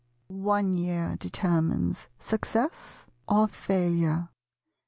One year determines success or failure.